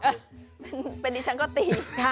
เป็นอย่างนี้ฉันก็ตี